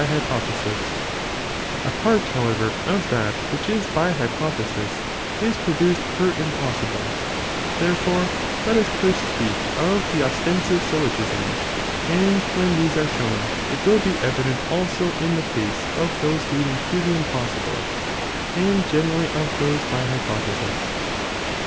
hypothesis, A part however of that which is by hypothesis is produced per impossibile, therefore let us fii st speak of the oslensive (syllogisms), and when these Bre shown, it will be evident also in the case of those lead ing to the impossibile, and genei ally of those by hypothesis, a.